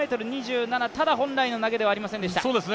ただ、本来の投げではありませんでした。